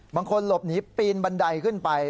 บางคนหลบหนีปีนบันไดขึ้นไป